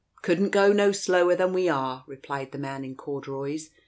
" "Couldn't go no slower than we are !" replied the man in corduroys.